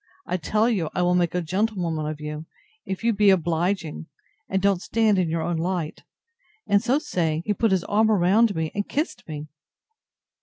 I tell you I will make a gentlewoman of you, if you be obliging, and don't stand in your own light; and so saying, he put his arm about me, and kissed me!